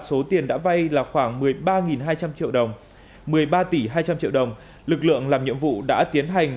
số tiền đã vay là khoảng một mươi ba hai trăm linh triệu đồng một mươi ba tỷ hai trăm linh triệu đồng lực lượng làm nhiệm vụ đã tiến hành